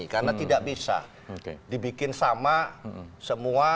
karena tidak bisa dibikin sama semua